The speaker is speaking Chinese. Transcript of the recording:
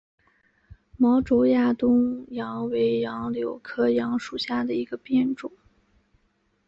毛轴亚东杨为杨柳科杨属下的一个变种。